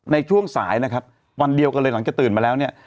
ในช่วงสายนะครับวันเดียวกันเลยหลังจากตื่นมาแล้วเนี่ย